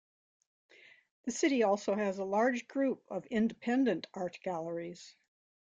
The city also has a large group of independent art galleries.